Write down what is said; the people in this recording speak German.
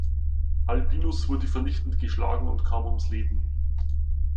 Albinus wurde vernichtend geschlagen und kam ums Leben.